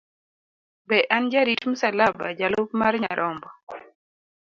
Be an jarit msalaba, jalup mar Nyarombo?